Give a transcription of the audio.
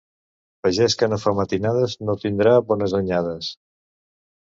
Pagés que no fa matinades no tindrà bones anyades.